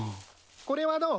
これはどう？